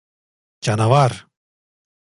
Canavar!